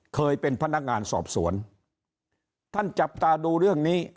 เคยเป็นพนักงานสอบสวนท่านจับตาดูเรื่องนี้